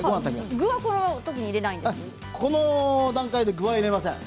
この段階で具が入れません。